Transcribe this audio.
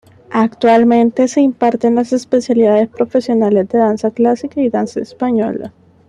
Actualmente se imparten las especialidades profesionales de Danza Clásica y Danza Española.